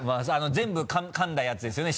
全部かんだやつですよね？